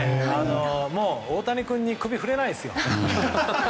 大谷君に首振れないですよ。